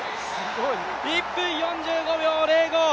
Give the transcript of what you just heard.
１分４５秒０５。